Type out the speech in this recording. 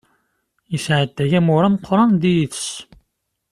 Yesɛedday amur ameqqran d yid-s.